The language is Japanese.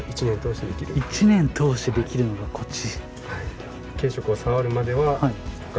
１年通してできるんだこっち。